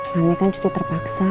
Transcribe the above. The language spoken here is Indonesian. mami kan cuti terpaksa